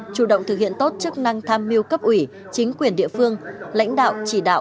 chủ động thực hiện tốt chức năng tham mưu cấp ủy chính quyền địa phương lãnh đạo chỉ đạo